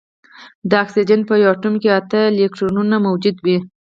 د اکسیجن په یوه اتوم کې اته الکترونونه موجود وي